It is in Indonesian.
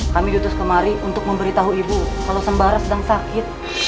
kami diutus kemari untuk memberitahu ibu kalau sembara sedang sakit